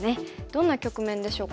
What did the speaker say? どんな局面でしょうか。